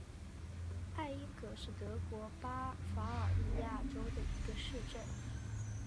艾因格是德国巴伐利亚州的一个市镇。